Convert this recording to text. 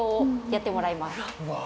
やってもらいます。